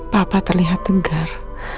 papa terlihat tegar